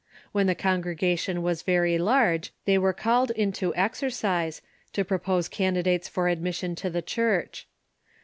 When the congregation was very large they were called into exercise, to propose candidates for admission to the Church.